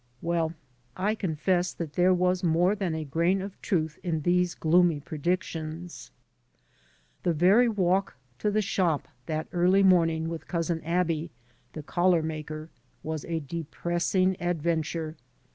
WeU, I confess that there was more than a grain of truth in these gloomy predictions. The very walk to the shop that early morning with Cousin Aby, the collar maker, was a depressing adventure.